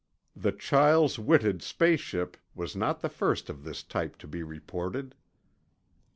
The Chiles Whitted "space ship" was not the first of this type to be reported.